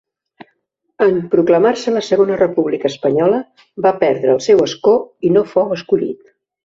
En proclamar-se la Segona República Espanyola va perdre el seu escó i no fou escollit.